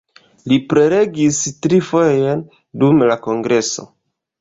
Li prelegis tri fojojn dum la kongreso.